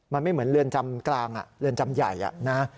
มันไม่เหมือนเรือนจำกลางเรือนจำใหญ่นะ